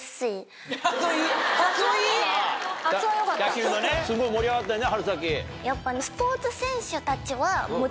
野球のねすごい盛り上がったよね春先。と思う。